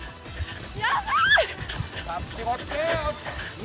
やばい！